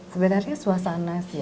sebenarnya suasana sih